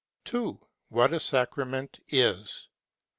n. What a Sacrament is.